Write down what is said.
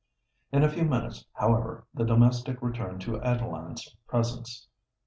In a few minutes, however, the domestic returned to Adeline's presence.